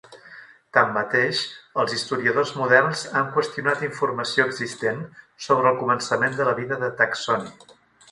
Tanmateix, els historiadors moderns han qüestionat informació existent sobre el començament de la vida de Taksony.